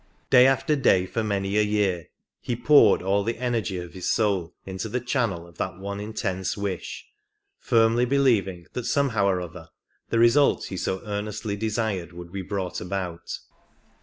Day after 74 day for many a year he poured all the energy of his soul into the channel of that one intense wish, firmly believing that somehow or other the result he so earnestly desired would be brought about.